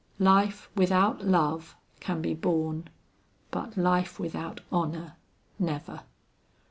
Life without love can be borne, but life without honor never.